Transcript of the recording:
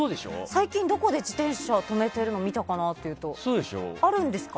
最近、どこで自転車止めてるの見たかなっていうとあるんですか？